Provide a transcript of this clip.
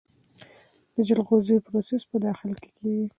د جلغوزیو پروسس په داخل کې کیږي؟